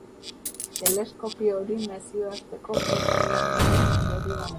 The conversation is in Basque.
Teleskopio hori nazioarteko elkarlanaren ondorioa da.